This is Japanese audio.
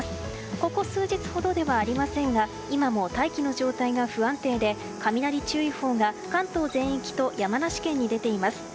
ここ数日ほどではありませんが今も大気の状態が不安定で、雷注意報が関東全域と山梨県に出ています。